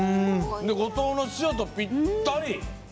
五島の塩とぴったり！